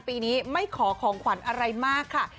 ปีนี้ไม่ขอของขวัญอะไรมากค่ะ